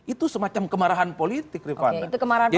itu semacam kemarahan politik rifana